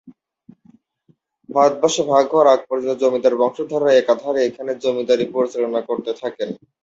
ভারতবর্ষ ভাগ হওয়ার আগ পর্যন্ত জমিদার বংশধররা একাধারে এখানে জমিদারী পরিচালনা করতে থাকেন।